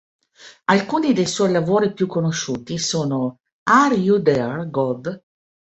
Alcuni dei suoi lavori più conosciuti sono "Are You There God?